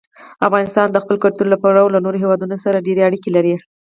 افغانستان د خپل کلتور له پلوه له نورو هېوادونو سره ډېرې اړیکې لري.